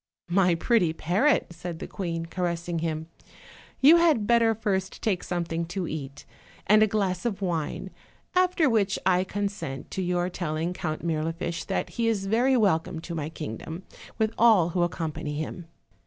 "My pretty parrot," said the queen, caressing him, "you had better first take something to eat, and a glass of wine, after which I consent to your telling Count Mir lifiche that he is very welcome to my kingdom, with all who accompany him.